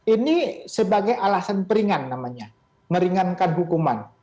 ini sebagai alasan peringan namanya meringankan hukuman